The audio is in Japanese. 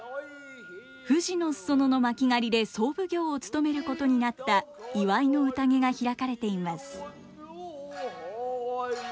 富士の裾野の巻狩で総奉行を務めることになった祝いの宴が開かれています。